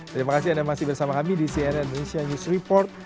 terima kasih anda masih bersama kami di cnn indonesia news report